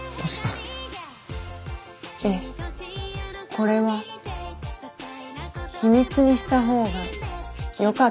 これは秘密にしたほうがよかったですか？